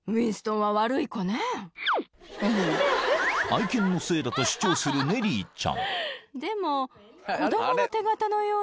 ［愛犬のせいだと主張するネリーちゃん］